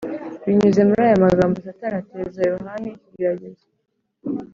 ” Binyuze muri aya magambo, Satani ateza Yohana ikigeragezo